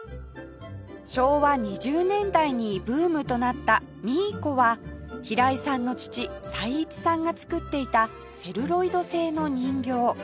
昭和２０年代にブームとなったミーコは平井さんの父才一さんが作っていたセルロイド製の人形